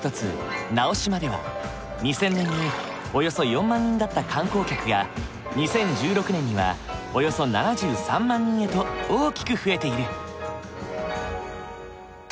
直島では２０００年におよそ４万人だった観光客が２０１６年にはおよそ７３万人へと大きく増えている。